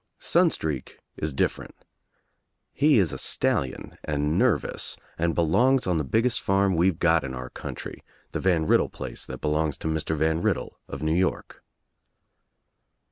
Sunstreak is different. He is a stallion and nervous «nd belongs on the biggest farm weVe got tn our coun< THE TRIUMPH OF THE EGG 14 try, the Van Riddle place that belongs to Mr. Van Riddle of New York.